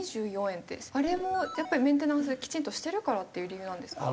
あれもメンテナンスきちんとしてるからっていう理由なんですか？